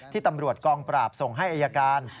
ตำรวจกองปราบส่งให้อายการ